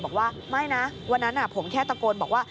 บอกว่าไม่นะวันนั้นผมแค่ตะโกนบอกว่า